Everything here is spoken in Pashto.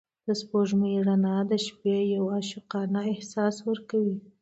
د سپوږمۍ رڼا د شپې یو عاشقانه احساس ورکوي.